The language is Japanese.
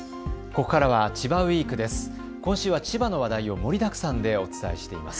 ここからは千葉ウイークです。